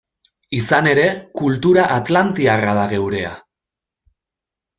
Izan ere, kultura atlantiarra da geurea.